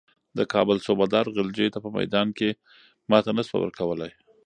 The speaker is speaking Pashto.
د کابل صوبه دار غلجیو ته په میدان کې ماتې نه شوه ورکولای.